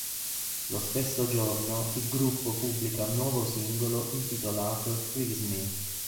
Lo stesso giorno il gruppo pubblica un nuovo singolo intitolato "Freeze Me".